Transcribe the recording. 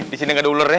disini gak ada ular ya